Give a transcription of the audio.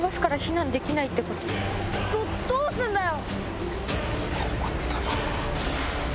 どどうすんだよ！